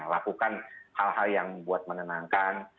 lakukan hal hal yang membuat menenangkan